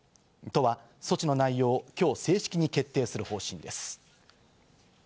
都は措置の内容を今日正式に決定する方針です。